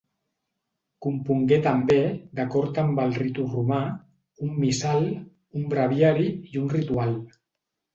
Compongué també, d'acord amb el ritu romà, un missal, un breviari i un ritual.